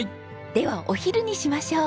ではお昼にしましょう。